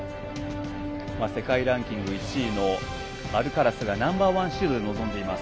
世界ランキング１位のアルカラスがナンバーワンシードで臨んでいます。